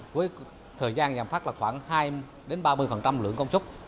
cuối thời gian giảm phát là khoảng hai mươi ba mươi lượng công suất